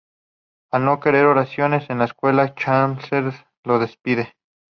Al no querer oraciones en la escuela, Chalmers lo despide.